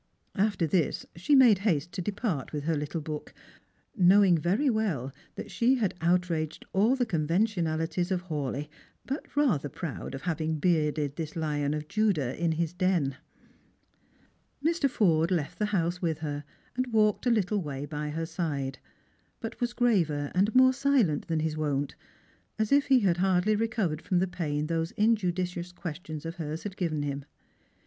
After this she made haste to depart with her little book, knowing very well that she had outraged all the convention Strangers and £ilgnm^. 29 alities of Hawleigh, but rather proud of having bearded this lion of Judah in his den, Mr. iTorde left the house with her, and walked a little way by her side ; but was graver and more silent than his wont, as if he had hardly recovered from the pain those injudicious questions of hers had given him.